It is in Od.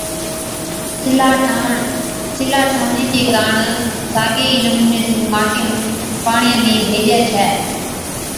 سِلها ٺاهوَڻ، سِلها ٺاهوَڻي ڪاڻ چي ڪاڻ ساگي ئِي نمُوني سُون ماٽِي نُون پاڻِيان ۾ ڀيجَي ڇَي